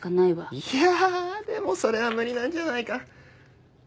いやでもそれは無理なんじゃないか。